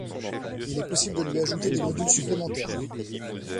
Il est possible de lui ajouter des modules supplémentaires.